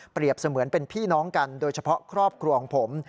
เสมือนเป็นพี่น้องกันโดยเฉพาะครอบครัวของผม